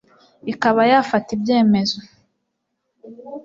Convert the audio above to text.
ikaba yafata ibyemezo